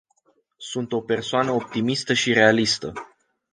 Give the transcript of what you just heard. Sunt o persoană optimistă și realistă.